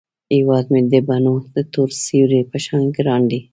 هیواد مې د بڼو د تور سیوري په شان ګران دی